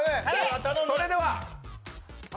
それでは。